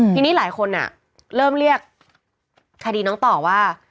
ทีนี้หลายคนเริ่มเรียกคดีน้องต่อว่า